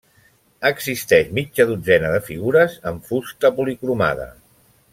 Existeix mitja dotzena de figures en fusta policromada.